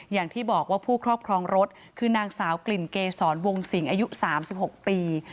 อย่างที่บอกว่าผู้ครอบครองรถคือนางสาวกลิ่นเกษรวงสิงอายุ๓๖ปี